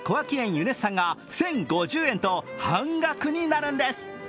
ユネッサンが１０５０円と半額になるんです。